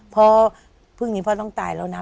พ่อพรุ่งนี้พ่อต้องตายแล้วนะ